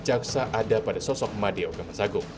jaksa ada pada sosok madeo kamasagung